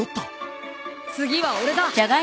次は俺だ。